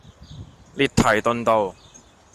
列堤頓道